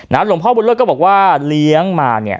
หลวงพ่อบุญเลิศก็บอกว่าเลี้ยงมาเนี่ย